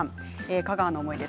香川の思い出。